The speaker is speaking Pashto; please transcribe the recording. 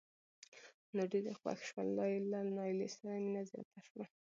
نو ډېر یې خوښ شول لا یې له نایلې سره مینه زیاته شوه.